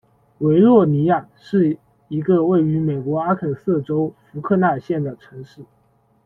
维洛尼亚是一个位于美国阿肯色州福克纳县的城市。